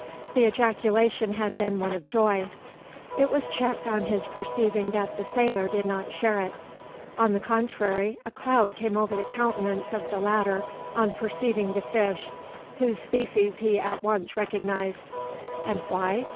The ejaculation had been one of joy. It was checked on his perceiving that the sailor did not share it. On the contrary, a cloud came over the countenance of the latter on perceiving the fish, whose species he at once recognised. And why?